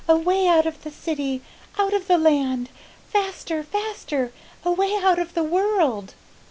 away out of the city, out of the land, faster, faster! away out of the world!"